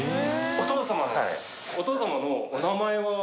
お父様のお名前は。